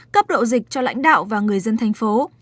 cấp độ dịch cho lãnh đạo và người dân thành phố